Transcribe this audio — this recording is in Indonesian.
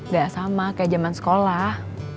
gak sama kayak zaman sekolah